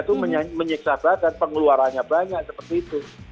itu menyiksa badan pengeluarannya banyak seperti itu